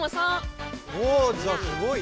おじゃすごいね。